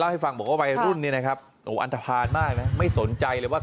ให้ฟังบอกว่าวัยรุ่นเนี่ยนะครับโอ้อันทภาณมากนะไม่สนใจเลยว่า